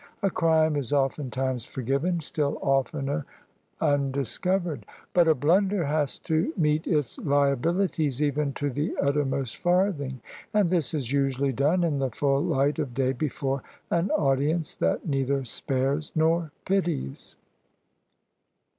A crime is oftentimes forgiven — still oftener undiscovered: but a blunder has to meet its liabilities even to the uttermost farthing: and this is usually done in the full light of day before an audience that neither spares nor pities.